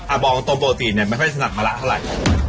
อ่ะบอกตัวปกติไม่ใช่สนักมะระเท่าไร